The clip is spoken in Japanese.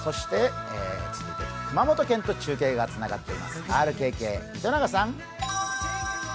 続いて熊本県と中継がつながっています、ＲＫＫ・糸永さん。